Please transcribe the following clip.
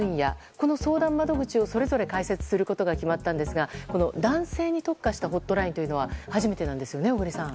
この相談窓口をそれぞれ開設することが決まったんですが、男性に特化したホットラインというのは初めてなんですね、小栗さん。